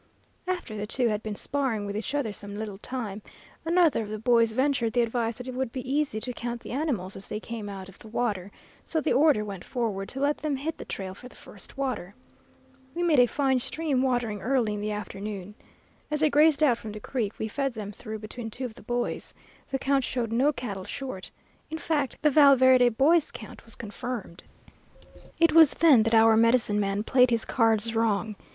"After the two had been sparring with each other some little time, another of the boys ventured the advice that it would be easy to count the animals as they came out of the water; so the order went forward to let them hit the trail for the first water. We made a fine stream, watering early in the afternoon. As they grazed out from the creek we fed them through between two of the boys. The count showed no cattle short. In fact, the Val Verde boy's count was confirmed. It was then that our medicine man played his cards wrong.